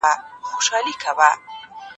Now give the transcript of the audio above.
زه لیکنه هره ورځ لیکم.